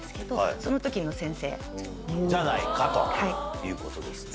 じゃないかということですね。